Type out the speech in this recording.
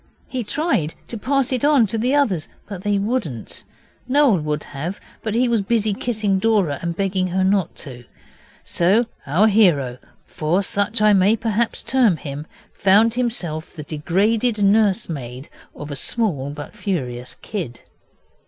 He tried to pass it on to the others, but they wouldn't. Noel would have, but he was busy kissing Dora and begging her not to. So our hero, for such I may perhaps term him, found himself the degraded nursemaid of a small but furious kid.